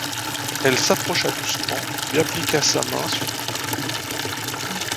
Elle s'approcha doucement, lui appliqua sa main sur une épaule.